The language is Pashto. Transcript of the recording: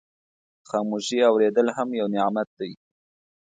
خاموشي اورېدل هم یو نعمت دی.